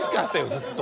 ずっと。